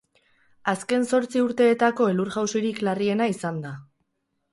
Azken zortzi urteetako elur-jausirik larriena izan da.